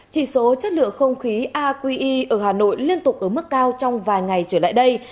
chỉ số chất lượng không khí aqi ở hà nội liên tục ở mức cao trong vài ngày trở lại đây